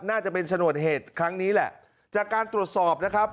น่าจะเป็นชนวนเหตุครั้งนี้แหละจากการตรวจสอบนะครับ